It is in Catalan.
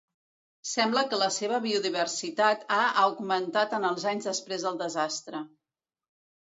Sembla que la seva biodiversitat ha augmentat en els anys després del desastre.